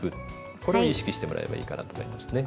これを意識してもらえればいいかなと思いますね。